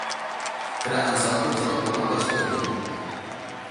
Kəra anzako dzagu a kwaskwa ge.